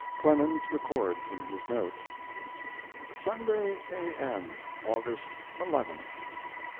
Clemens records in his notes: Sunday A.M., August 11th.